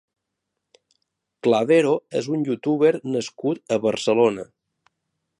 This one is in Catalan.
Clavero és un youtuber nascut a Barcelona.